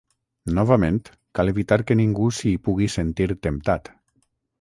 Novament, cal evitar que ningú s’hi pugui sentir temptat.